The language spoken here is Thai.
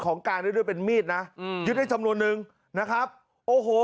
ของกางด้วยด้วยเป็นมีดนะยึดให้ชำนวนนึงนะครับโอ้โห